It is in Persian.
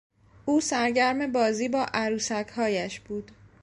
او سرگرم بازی با عروسکهایش بود.